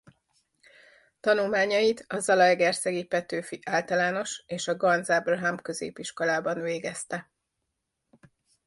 Tanulmányait a zalaegerszegi Petőfi Általános- és a Ganz Ábrahám Középiskolában végezte.